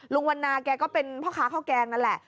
วันนาแกก็เป็นพ่อค้าข้าวแกงนั่นแหละ